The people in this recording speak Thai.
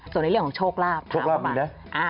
ส่วนในเรื่องของโชคลาภถามมา